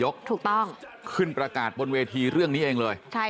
ขึ้นประกาศบนเวทีเรื่องนี่เองเลย